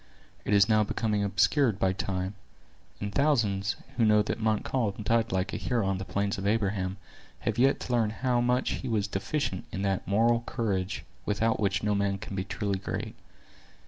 It is now becoming obscured by time; and thousands, who know that Montcalm died like a hero on the plains of Abraham, have yet to learn how much he was deficient in that moral courage without which no man can be truly great.